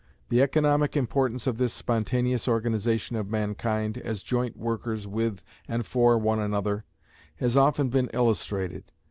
The economic importance of this spontaneous organization of mankind as joint workers with and for one another, has often been illustrated.